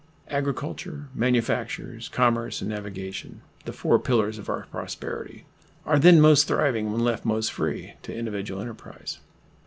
Agriculture, manufactures, commerce, and navigation, the four pillars of our prosperity, are then most thriving when left most free to individual enterprise.